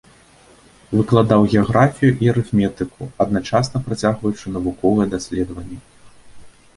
Выкладаў геаграфію і арыфметыку, адначасна працягваючы навуковыя даследаванні.